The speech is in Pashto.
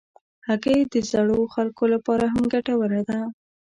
هګۍ د زړو خلکو لپاره هم ګټوره ده.